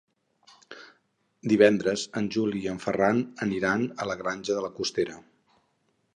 Divendres en Juli i en Ferran aniran a la Granja de la Costera.